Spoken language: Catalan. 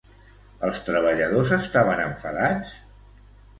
Els treballadors estaven enfadats?